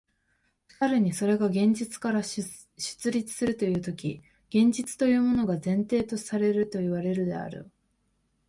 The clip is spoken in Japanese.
しかるにそれが現実から出立するというとき、現実というものが前提されるといわれるであろう。